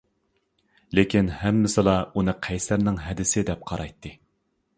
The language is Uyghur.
لېكىن ھەممىسىلا ئۇنى «قەيسەرنىڭ ھەدىسى» دەپ قارايتتى.